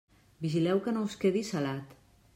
Vigileu que no us quedi salat.